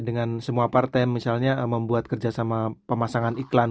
dengan semua partai misalnya membuat kerjasama pemasangan iklan